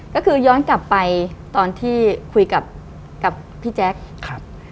ก็คือย้อนกลับไปตอนที่คุยกับกับพี่แจ๊คครับ